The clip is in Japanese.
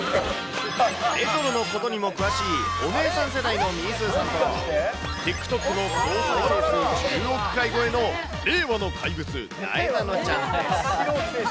レトロのことにも詳しいお姉さん世代のみーすーさんと、ＴｉｋＴｏｋの総再生回数１０億回超えの令和の怪物、なえなのちゃんです。